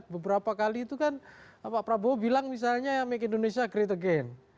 beberapa kali itu kan pak prabowo bilang misalnya make indonesia great again